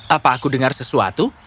apa aku dengar sesuatu